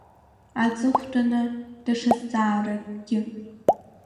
Аҵыхәтәаны даҽа зҵааракгьы.